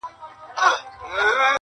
هغه وایي روژه به نور زما په اذان نسې-